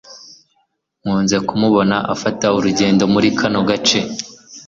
Nkunze kumubona afata urugendo muri kano gace